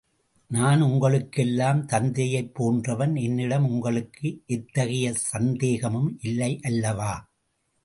நான் உங்களுக்கெல்லாம் தந்தையைப் போன்றவன் என்னிடம் உங்களுக்கு எத்தகைய சந்தேகமும் இல்லை அல்லவா?